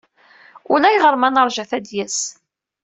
Ulayɣer ma neṛja-t ad d-yas.